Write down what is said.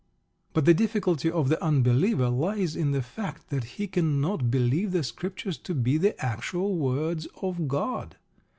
But the difficulty of the unbeliever lies in the fact that he cannot believe the Scriptures to be the actual words of God.